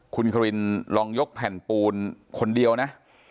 คุณครินลองยกแผ่นปูนคนเดียวนะ